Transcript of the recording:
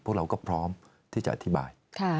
พวกเราก็พร้อมที่จะอธิบาย